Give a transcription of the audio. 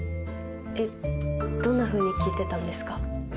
えっどんなふうに聞いてたんですか？